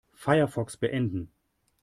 Firefox beenden.